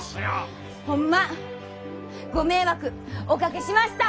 ホンマご迷惑おかけしました！